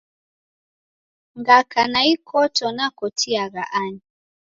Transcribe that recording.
Ngaka ni ikoto nikotiagha ani?